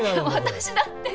私だって。